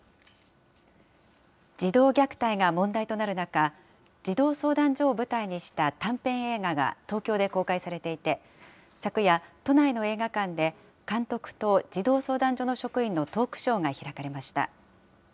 児童虐待が問題となる中、児童相談所を舞台にした短編映画が、東京で公開されていて、昨夜、都内の映画館で、監督と児童相談所の職員のトークショーが開かれました。